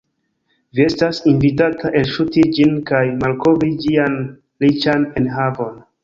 Vi estas invitata elŝuti ĝin kaj malkovri ĝian riĉan enhavon.